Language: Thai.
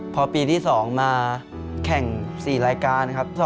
พอปีที่๒มาแข่ง๔รายการครับ